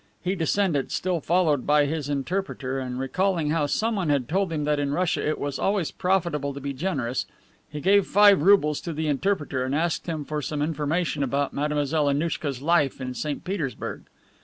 He descended, still followed by his interpreter, and recalling how someone had told him that in Russia it was always profitable to be generous, he gave five roubles to the interpreter and asked him for some information about Mademoiselle Annouchka's life in St. Petersburg.